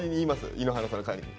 井ノ原さんの代わりに。